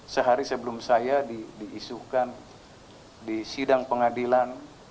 sehari sebelum saya diisukan di sidang pengadilan